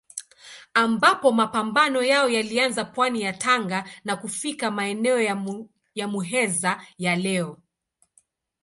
Ambapo mapambano yao yalianza pwani ya Tanga na kufika maeneo ya Muheza ya leo.